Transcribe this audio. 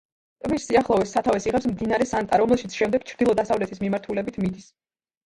ტბის სიახლოვეს, სათავეს იღებს მდინარე სანტა, რომელიც შემდეგ ჩრდილო-დასავლეთის მიმართულებით მიდის.